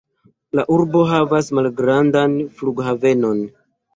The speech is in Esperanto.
La urbo havas malgrandan flughavenon.